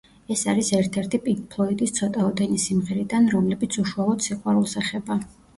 ეს არის ერთ-ერთი პინკ ფლოიდის ცოტაოდენი სიმღერიდან, რომლებიც უშუალოდ სიყვარულს ეხება.